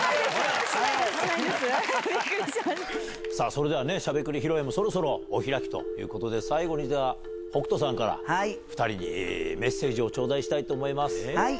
それではね、しゃべくり披露宴もそろそろお開きということで、最後にじゃあ、北斗さんから、２人にメッセージを頂戴したいと思います。